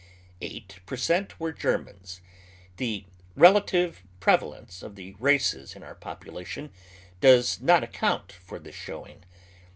Eight per cent, were Germans. Tlie relative prev alence of the races in our population does not account for this showing.